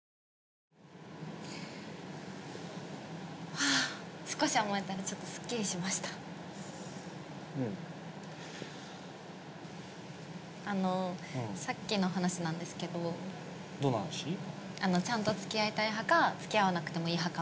はぁ少し甘えたらちょっとすっきりしましたうんあのさっきの話なんですけどどの話？ちゃんとつきあいたい派かつきあわなくてもいい派か